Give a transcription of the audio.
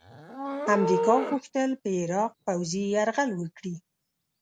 امریکا غوښتل په عراق پوځي یرغل وکړي.